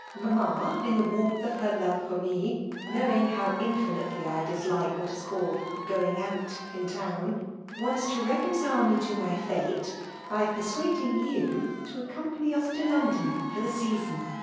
Mamma, in the warmth of her love for me, knowing how infinitely I dislike whaft is called ' going out^ in town, wants to recon cile me to .my fate by persuading you to aocoitf pany us to London for the season.